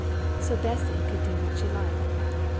So Bessy could do what she liked.